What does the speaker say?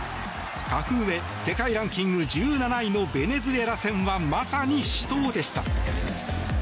格上、世界ランキング１７位のベネズエラ戦はまさに死闘でした。